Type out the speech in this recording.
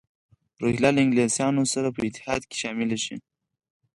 روهیله له انګلیسیانو سره په اتحاد کې شامل شي.